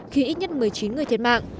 khi ít nhất một mươi chín người thiệt mạng